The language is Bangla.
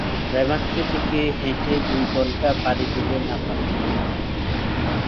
রেমাক্রি থেকে হেঁটে দুই ঘন্টা পাড়ি দিলে নাফাখুম।